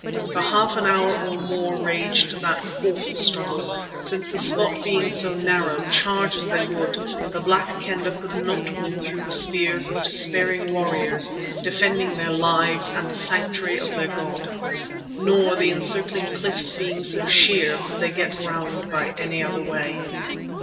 For half an hour or more raged that awful struggle, since the spot being so narrow, charge as they would, the Black Kendah could not win through the spears of despairing warriors defending their lives and the sanctuary of their god. Nor, the encircling cliffs being so sheer, could they get round any other way.